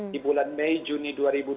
di bulan mei juni dua ribu dua puluh